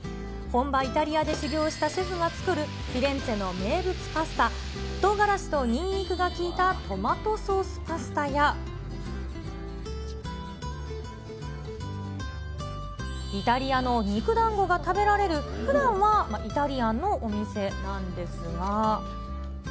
本場イタリアで修業したシェフが作るフィレンツェの名物パスタ、とうがらしとにんにくが効いたトマトソースパスタや、イタリアの肉だんごが食べられるふだんはイタリアンのお店なんですが。